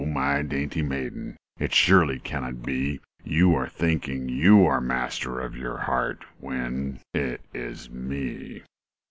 my dainty maiden, Â Â Â Â It surely can not be You are thinking you are master Â Â Â Â Of your heart, when it is me."